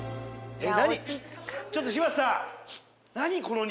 えっ？